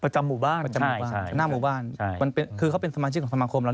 ใช่เขาต้องถามก่อนว่า